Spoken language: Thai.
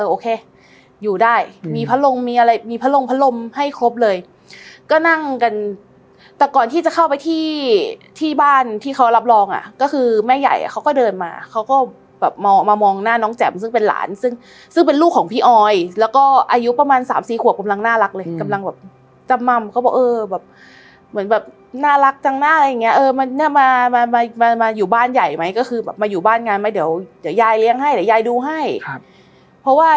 โอเคอยู่ได้มีพระลงมีอะไรมีพระลงพระลมให้ครบเลยก็นั่งกันแต่ก่อนที่จะเข้าไปที่ที่บ้านที่เขารับรองอะก็คือแม่ใหญ่เขาก็เดินมาเขาก็แบบมามองมามองหน้าน้องแจ่มซึ่งเป็นหลานซึ่งซึ่งเป็นลูกของพี่ออยแล้วก็อายุประมาณสามสี่ขวบกำลังน่ารักเลยกำลังแบบจำม่ำเขาบอกเออแบบเหมือนแบบน่ารักจังหน้าอะไรอย่างเงี้ยเออมาอยู่บ้าน